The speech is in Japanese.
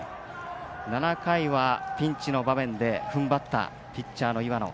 ７回はピンチの場面でふんばったピッチャーの岩野。